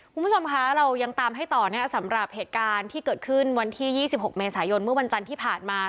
คุณผู้ชมคะเรายังตามให้ต่อสำหรับเหตุการณ์ที่เกิดขึ้นวันที่๒๖เมษายนเมื่อวันจันทร์ที่ผ่านมา